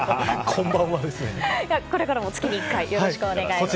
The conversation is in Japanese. これからも月に１回よろしくお願いします。